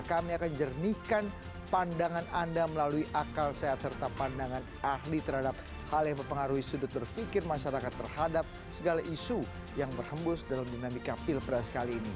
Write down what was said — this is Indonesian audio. kami akan jernihkan pandangan anda melalui akal sehat serta pandangan ahli terhadap hal yang mempengaruhi sudut berpikir masyarakat terhadap segala isu yang berhembus dalam dinamika pilpres kali ini